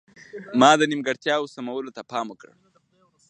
ما د نیمګړتیاوو سمولو ته پام وکړ.